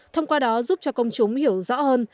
thông qua đó giúp cho công chúng hiểu rõ hơn